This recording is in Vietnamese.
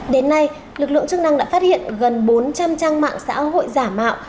đến nay lực lượng chức năng đã phát hiện gần bốn trăm linh trang mạng xã hội giả mạo